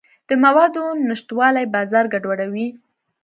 د موادو نشتوالی بازار ګډوډوي.